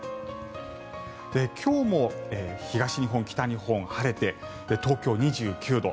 今日も東日本、北日本晴れて東京、２９度。